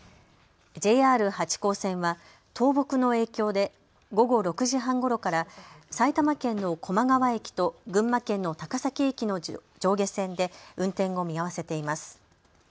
ＪＲ八高線は倒木の影響で午後６時半ごろから埼玉県の高麗川駅と群馬県の高崎駅の上下線で運転を見合わせています。